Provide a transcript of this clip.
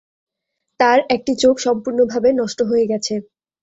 তাঁর একটি চোখ সম্পূর্ণভাবে নষ্ট হয়ে গেছে।